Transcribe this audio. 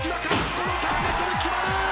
このターゲットで決まる！